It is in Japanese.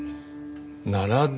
「ならで」？